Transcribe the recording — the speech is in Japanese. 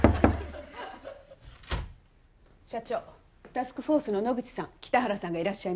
タスクフォースの野口さん北原さんがいらっしゃいました。